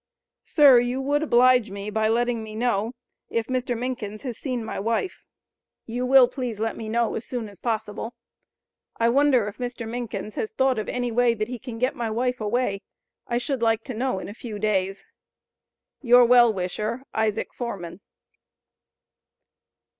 Sir you would oblige me by letting me know if Mr. Minkins has seen my wife; you will please let me know as soon as possible. I wonder if Mr. Minkins has thought of any way that he can get my wife away. I should like to know in a few days. Your well wisher, ISAAC FORMAN.